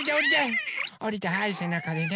おりてはいせなかでね。